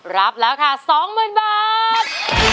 รับแล้วค่ะสองหมื่นบาท